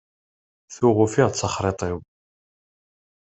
Tuɣ ufiɣ-d taxṛiṭ-iw.